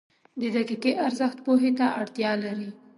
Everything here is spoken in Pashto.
• د دقیقه ارزښت پوهې ته اړتیا لري.